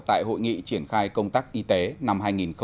tại hội nghị triển khai công tác y tế năm hai nghìn hai mươi